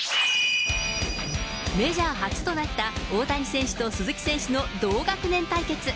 メジャー初となった大谷選手と鈴木選手の同学年対決。